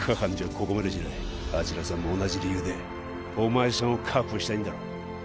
ここまでしないあちらさんも同じ理由でお前さんを確保したいんだろ